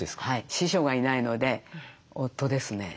師匠がいないので夫ですね。